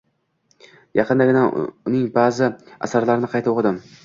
Yaqinginada uning ba’zi asarlarini qayta o’qidim.